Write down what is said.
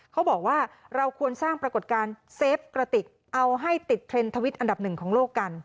เขาบอกว่าเราควรสร้างปรากฏการณ์เซฟกระติกเอาให้ติดเทรนด์ทวิตอันดับหนึ่งของโลกกัน